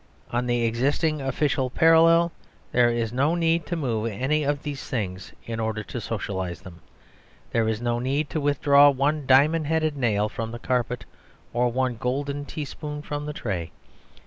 On the existing official parallel there is no need to move any of these things in order to Socialise them. There is no need to withdraw one diamond headed nail from the carpet; or one golden teaspoon from the tray.